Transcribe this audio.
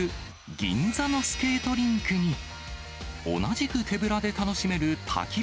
銀座のスケートリンクに、同じく手ぶらで楽しめるたき火